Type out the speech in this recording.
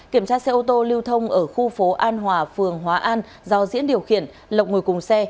kiểm tra xe ô tô lưu thông ở khu phố an hòa phường hóa an do diễn điều khiển lộc ngồi cùng xe